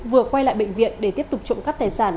vừa quay lại bệnh viện để tiếp tục trộm cắp tài sản